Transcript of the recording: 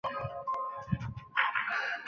以下是阿尔巴尼亚航空公司的列表